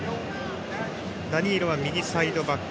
ダニーロは右サイドバック。